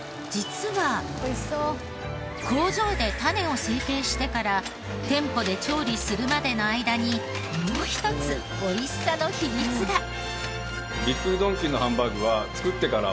実は工場で種を成型してから店舗で調理するまでの間にもう一つ美味しさの秘密が！